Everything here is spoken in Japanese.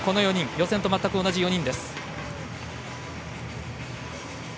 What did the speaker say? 予選と全く同じ４人です。